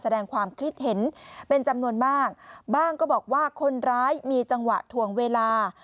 แสดงความคิดเห็นเป็นจำนวนมากบ้างก็บอกว่าคนร้ายมีจังหวะถ่วงเวลา